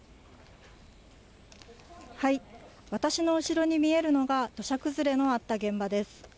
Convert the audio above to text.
私の後ろに見えるのが、土砂崩れのあった現場です。